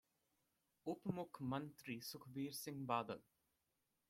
ਉਪ ਮੁੱਖ ਮੰਤਰੀ ਸੁਖਬੀਰ ਸਿੰਘ ਬਾਦਲ